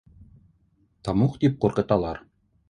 — Тамуҡ тип ҡурҡыталар.